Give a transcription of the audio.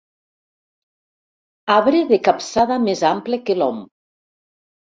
Arbre de capçada més ample que l'om.